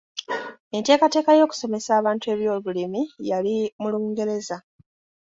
Enteekateeka y'okusomesa abantu ebyobulimi yali mu Lungereza.